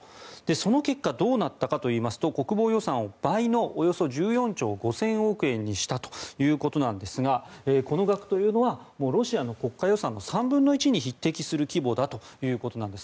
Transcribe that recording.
その結果どうなったかといいますと国防予算を倍のおよそ１４兆５０００億円にしたということなんですがこの額というのはロシアの国家予算の３分の１に匹敵する規模だということです。